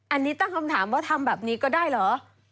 อันนี้ตั้งคำถามว่าทำแบบนี้ก็ได้เหรอ